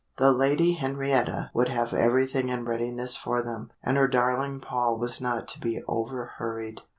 The Lady Henrietta would have everything in readiness for them, and her darling Paul was not to be over hurried.